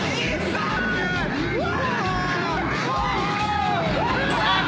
うわ！